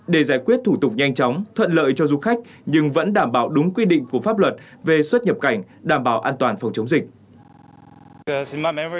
để giải quyết thủ tục nhanh chóng thuận lợi cho du khách nhưng vẫn đảm bảo đúng quy định của pháp luật về xuất nhập cảnh đảm bảo an toàn phòng chống dịch